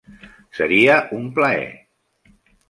Seria un plaer!